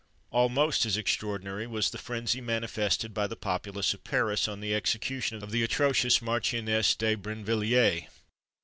Almost as extraordinary was the frenzy manifested by the populace of Paris on the execution of the atrocious Marchioness de Brinvilliers.